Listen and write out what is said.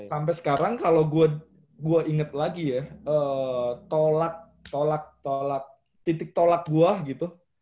sampai sekarang kalau gue inget lagi ya tolak tolak tolak titik tolak gue gitu